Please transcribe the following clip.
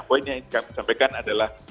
poin yang ingin kami sampaikan adalah